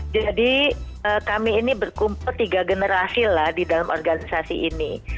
jadi kami ini berkumpul tiga generasi lah di dalam organisasi ini